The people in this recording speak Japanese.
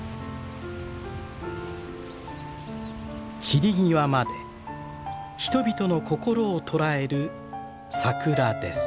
散り際まで人々の心を捉える桜です。